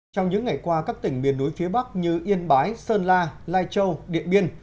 trong những ngày qua các tỉnh miền núi phía bắc như yên bái sơn la lai châu điện biên